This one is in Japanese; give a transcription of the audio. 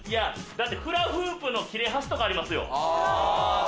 だってフラフープの切れ端とかありますよ。